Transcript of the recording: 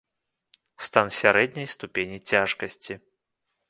Стан сярэдняй ступені цяжкасці.